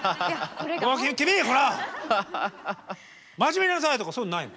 「君ほら真面目にやんなさい」とかそういうのないの？